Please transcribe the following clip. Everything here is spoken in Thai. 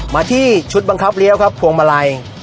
มาที่ชุดบังคับเลี้ยวครับพวงมาลัย